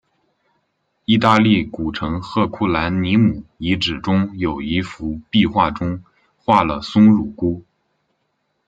意大利古城赫库兰尼姆遗址中有一幅壁画中画了松乳菇。